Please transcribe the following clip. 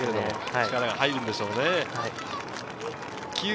力が入るのでしょう。